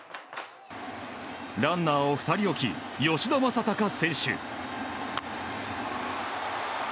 ランナーを２人置き吉田正尚選手。